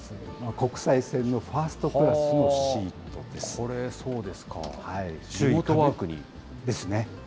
国際線のファーストクラスのシーこれ、そうですか。ですね。